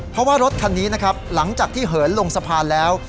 เพราะว่ารถคันนี้นะครับหลังจากที่เหินลงสะพานแล้ว